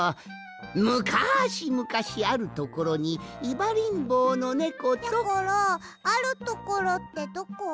むかしむかしあるところにいばりんぼうのネコと。やころあるところってどこ？